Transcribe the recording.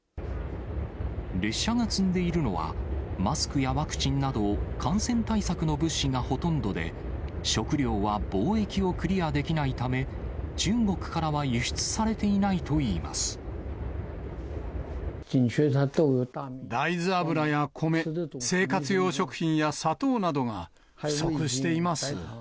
列車が積んでいるのは、マスクやワクチンなど感染対策の物資がほとんどで、食料は防疫をクリアできないため、中国からは輸出されていないとい大豆油や米、生活用食品や砂糖などが、不足しています。